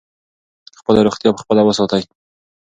خپله روغتیا په خپله وساتئ.